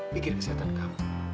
mikir kesehatan kamu